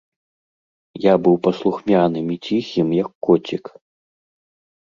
Я быў паслухмяным і ціхім, як коцік.